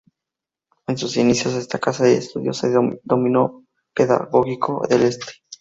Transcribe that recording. En sus inicios, esta casa de estudios se denominó Pedagógico del Este.